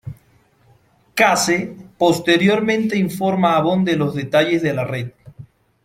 Case posteriormente informa a Bond de los detalles de la red.